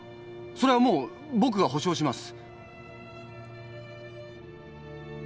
それはもう僕が保証します。